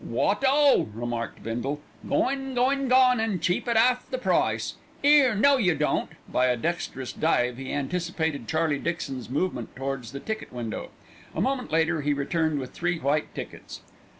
"Wot o!" remarked Bindle. "Goin' goin' gone, an' cheap at 'alf the price. 'Ere, no you don't!" By a dexterous dive he anticipated Charlie Dixon's move towards the ticket window. A moment later he returned with three white tickets.